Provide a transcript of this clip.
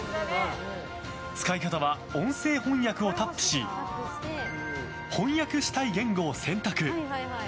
使い方は、音声翻訳をタップし翻訳したい言語を選択。